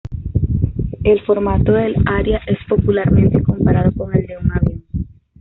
El formato del área es popularmente comparado con el de un avión.